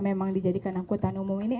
memang dijadikan angkutan umum ini